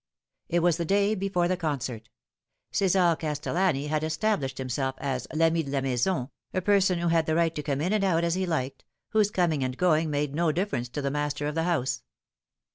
It was the day before the concert. CSsar Castellani had established himself as I ami de la maison, a person who had the right to come in and out as he liked, whose coming and going made no difference to the master of the house.